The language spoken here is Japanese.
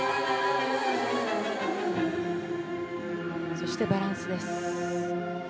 そしてバランスです。